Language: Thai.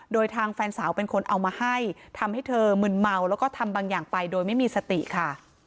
โดยทางแฟนสาวเป็นคนเอามาให้ทำให้เธอมึนเมาแล้วก็ทำบางอย่างไปโดยไม่มีสติค่ะ